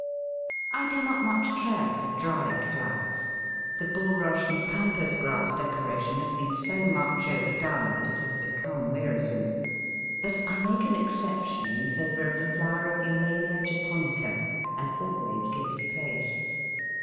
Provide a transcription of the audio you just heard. I do not much care for dried flowers the bulrush and pampas grass decoration has been so much overdone, that it has become wearisome but I make an exception in favour of the flower of Eulalia japonica, and always give it a place.